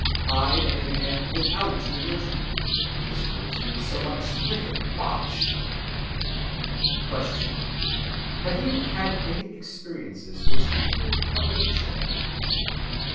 I am a man without a religion. These words mean so much mythic bosh. Q. _Have you had any experiences which appeared providential?